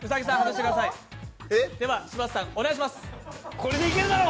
これでいけるだろ！